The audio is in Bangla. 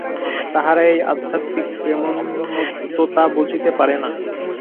তাহারা এই আধ্যাত্মিক প্রেমোন্মত্ততা বুঝিতে পারে না।